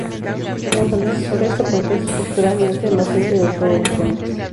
Como su antecesor, este puente es estructuralmente el más simple de todos los puentes.